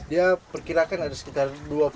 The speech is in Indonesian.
ya perkirakan ada sekitar dua puluh sembilan tiga puluh